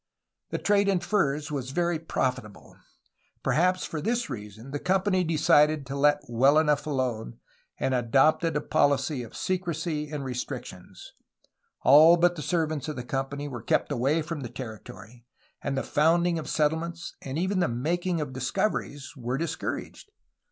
The trade in furs was very profitable. Perhaps for this reason the company decided to let well enough alone, and adopted a policy of secrecy and restriction. All but the servants of the company were kept away from the territory, and the founding of settlements and even the making of discoveries were discouraged.